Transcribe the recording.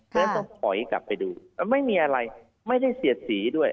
เพราะฉะนั้นต้องปล่อยกลับไปดูมันไม่มีอะไรไม่ได้เสียสีด้วย